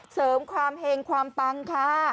เสริมความเห็งความปังค่ะ